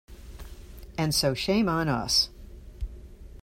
And so shame on us.